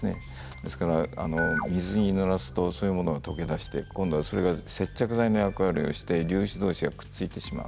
ですから水にぬらすとそういうものが溶け出して今度はそれが接着剤の役割をして粒子同士がくっついてしまう。